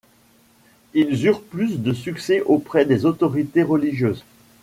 Ils eurent plus de succès auprès des autorités religieuses.